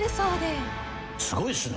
すごいっすね。